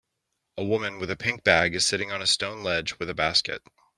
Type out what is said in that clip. a woman with a pink bag is sitting on a stone ledge with a basket